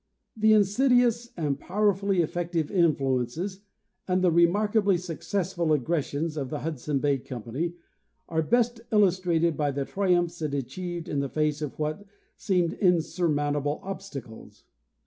The insidious and powerfully effective influ ences and the remarkably successful aggressions of the Hudson Bay company are best illustrated by the triumphs it achieved in the face of what seemed insurmountable obstacles.